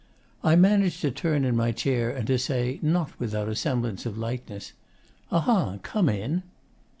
I managed to turn in my chair and to say, not without a semblance of lightness, 'Aha, come in!